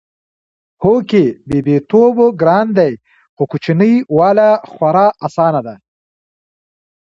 هو کې! بيبيتوب ګران دی خو کچنۍ واله خورا اسانه ده